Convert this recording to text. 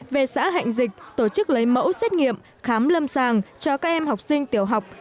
về xã hạnh dịch tổ chức lấy mẫu xét nghiệm khám lâm sàng cho các em học sinh tiểu học